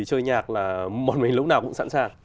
chơi nhạc là một mình lúc nào cũng sẵn sàng